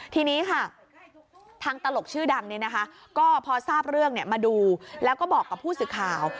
ทีนี้ค่ะทางตลกชื่อดำเนี่ยนะคะก็พอทราบเรื่องเนี่ยมาดูแล้วก็บอกกับผู้สื่อข่าว